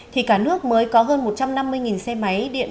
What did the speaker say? thì cả nước mới có hơn một trăm năm mươi xe máy điện